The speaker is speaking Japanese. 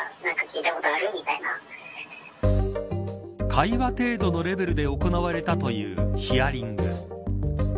会話程度のレベルで行われたというヒアリング。